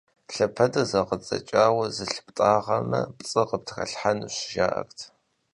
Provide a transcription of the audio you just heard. Лъэпэдыр зэгъэдзэкӀауэ зылъыптӀагъэмэ, пцӀы къыптралъхьэнущ, жаӀэрт.